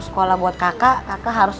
sekolah buat kakak kakak harus